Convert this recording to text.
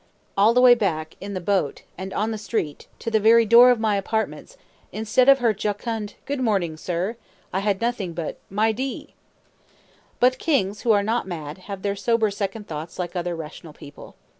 "] All the way back, in the boat, and on the street, to the very door of my apartments, instead of her jocund "Good morning, sir," I had nothing but my di. But kings, who are not mad, have their sober second thoughts like other rational people.